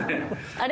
あれ？